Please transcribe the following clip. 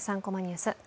３コマニュース」